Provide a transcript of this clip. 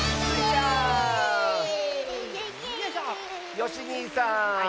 よしにいさん！